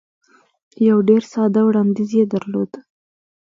یو ډېر ساده وړاندیز یې درلود.